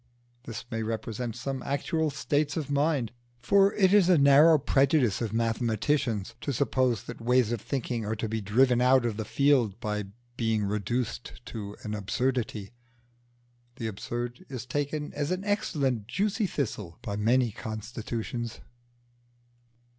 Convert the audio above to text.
This may represent some actual states of mind, for it is a narrow prejudice of mathematicians to suppose that ways of thinking are to be driven out of the field by being reduced to an absurdity. The Absurd is taken as an excellent juicy thistle by many constitutions.